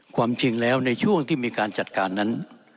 ความจริงแล้วในช่วงที่มีการจัดการนั้น